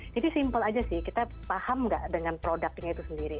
jadi simple aja sih kita paham nggak dengan produknya itu sendiri